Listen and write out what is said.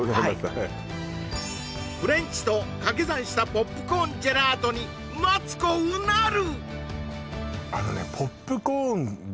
はいフレンチとかけ算したポップコーンジェラートにマツコうなる！